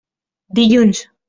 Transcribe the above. Dilluns.